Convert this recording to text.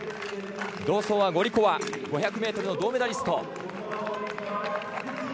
同走はゴリコワ５００ｍの銅メダリスト。